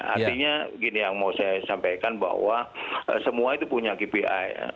artinya gini yang mau saya sampaikan bahwa semua itu punya kpi ya